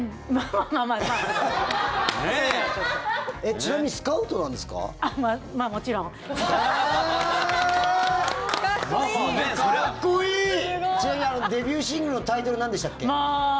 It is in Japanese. ちなみにデビューシングルのタイトルなんでしたっけ？